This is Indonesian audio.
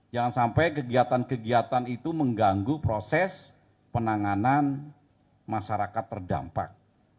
jangan sampai kegiatan kegiatan itu mengganggu proses penanganan masyarakat terdampak